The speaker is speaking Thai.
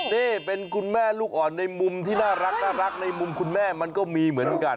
นี่เป็นคุณแม่ลูกอ่อนในมุมที่น่ารักในมุมคุณแม่มันก็มีเหมือนกัน